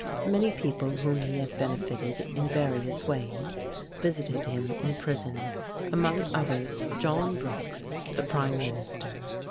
Many people whom he had benefited in various ways visited him in prison, among others John Brooke, the Prime Minister.